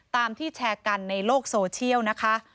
ตามที่แชร์กันในโลกโซเชียลนะคะ